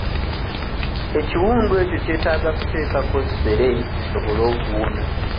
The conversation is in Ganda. Ekiwundu ekyo kyetaaga kuteekako ssere kisobole okuwona.